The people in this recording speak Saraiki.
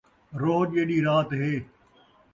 روہ جیݙی رات ہے